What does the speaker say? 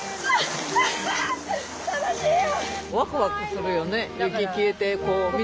楽しいよ！